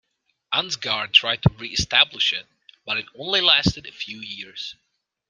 Ansgar tried to re-establish it, but it only lasted a few years.